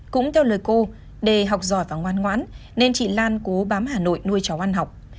cũng theo lời cô để học giỏi và ngoan ngoãn nên chị lan cố bám hà nội nuôi cháu ăn học